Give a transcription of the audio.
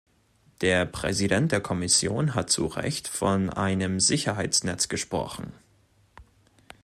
Der Präsident der Kommission hat zu Recht von einem Sicherheitsnetz gesprochen.